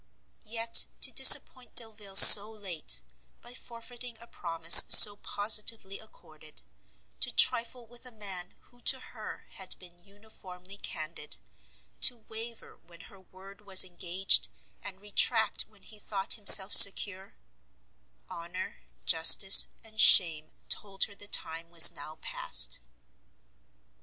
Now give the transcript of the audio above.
Yet to disappoint Delvile so late, by forfeiting a promise so positively accorded; to trifle with a man who to her had been uniformly candid, to waver when her word was engaged, and retract when he thought himself secure, honour, justice and shame told her the time was now past.